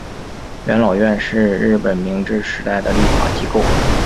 元老院是日本明治时代的立法机构。